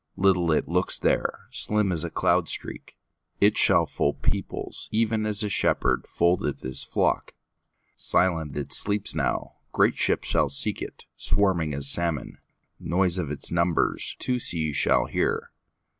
Little it looks there, Slim as a cloud streak; It shall fold peoplesEven as a shepherdFoldeth his flock. Silent it sleeps now; Great ships shall seek it, Swarming as salmon; Noise of its numbersTwo seas shall hear.